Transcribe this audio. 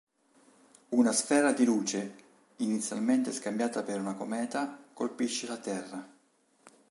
Una sfera di luce, inizialmente scambiata per una cometa, colpisce la Terra.